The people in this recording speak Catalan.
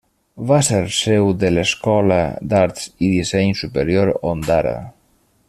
Va ser seu de l'Escola d'Arts i Disseny Superior Ondara.